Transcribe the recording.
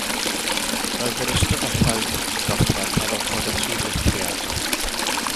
Roedd yr ystafelloedd dosbarth ar ochr y tirlithriad.